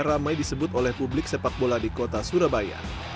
ramai disebut oleh publik sepak bola di kota surabaya